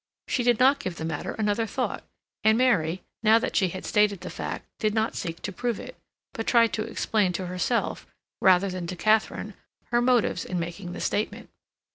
She did not give the matter another thought, and Mary, now that she had stated the fact, did not seek to prove it, but tried to explain to herself, rather than to Katharine, her motives in making the statement.